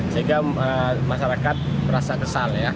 sehingga masyarakat merasa kesal ya